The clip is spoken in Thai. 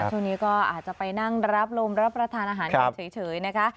ช่วงนี้ก็อาจจะไปนั่งรับลมรับประทานอาหารกันเฉยนะคะ